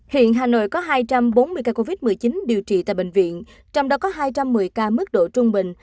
hiện hà nội có hai trăm bốn mươi ca covid một mươi chín điều trị tại bệnh viện trong đó có hai trăm một mươi ca mức độ trung bình